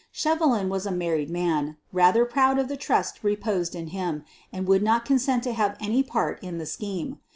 Shevelin was a married man, rather proud of the trust reposed in him, and would not consent to have any part in the scheme.